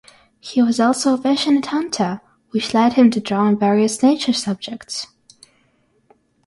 He was also a passionate hunter, which led him to drawing various nature subjects.